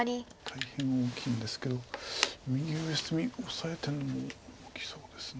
大変大きいんですけど右上隅オサえてるのも大きそうです。